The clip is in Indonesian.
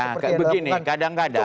nah begini kadang kadang